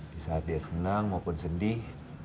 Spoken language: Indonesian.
di saat dia senang maupun sedih